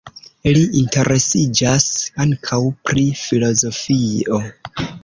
Li interesiĝas ankaŭ pri filozofio.